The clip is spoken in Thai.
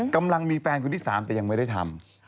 กำลังมีแฟนคนที่๓แต่ยังไม่ได้ทำ